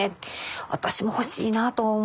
私も欲しいなと思って。